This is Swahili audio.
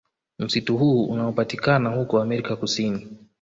Msitu huu unaopatikana huko America kusini